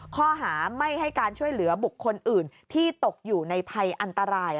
ข้อหาไม่ให้การช่วยเหลือบุคคลอื่นที่ตกอยู่ในภัยอันตราย